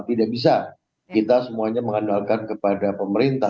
tidak bisa kita semuanya mengandalkan kepada pemerintah